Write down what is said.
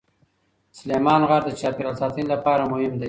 سلیمان غر د چاپیریال ساتنې لپاره مهم دی.